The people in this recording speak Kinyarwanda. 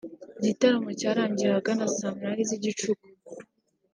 Igitaramo cyarangiye ahagana saa munani z’igicuku